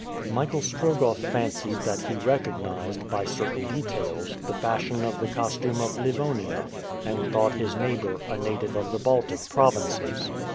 Michael Strogoff fancied that he recognized, by certain details, the fashion of the costume of Livonia, and thought his neighbor a native of the Baltic provinces.